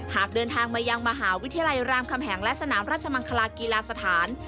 หากเดินทางมายังมหาวิทยาลัยรามคำแหงและสนามราชมังคลากีฬาสถาน